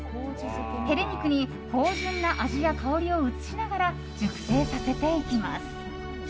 ヘレ肉に芳醇な味や香りを移しながら熟成させていきます。